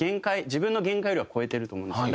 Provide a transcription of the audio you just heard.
自分の限界よりは超えてると思うんですよ。